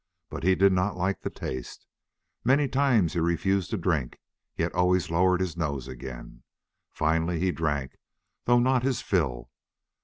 But he did not like the taste. Many times he refused to drink, yet always lowered his nose again. Finally he drank, though not his fill.